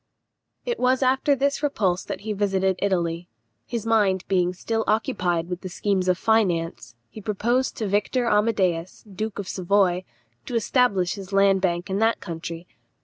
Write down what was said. It was after this repulse that he visited Italy. His mind being still occupied with schemes of finance, he proposed to Victor Amadeus, duke of Savoy, to establish his land bank in that country.